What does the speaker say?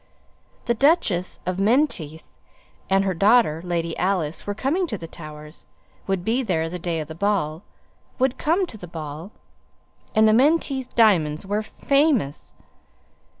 The Duchess of Menteith and her daughter, Lady Alice, were coming to the Towers; would be there the day of the ball; would come to the ball; and the Menteith diamonds were famous.